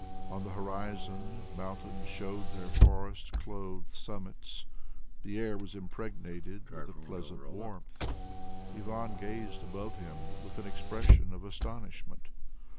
On the horizon mountains showed their forest clothed summits. The air was impregnated with a pleasant warmth. Ivan gazed above him with an expression of astonishment.